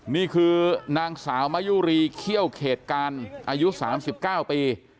นี่คือนางสาวมะยุรีเขี้ยวเขตการอายุ๓๙ปี